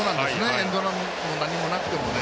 エンドランも何もなくても。